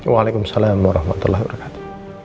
waalaikumsalam warahmatullahi wabarakatuh